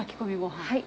はい。